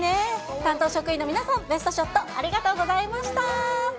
担当職員の皆さん、ベストショット、ありがとうございました。